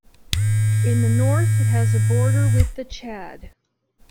In the north it has a border with the Chad.